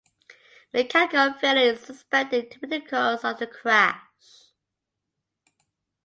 Mechanical failure is suspected to be the cause of the crash.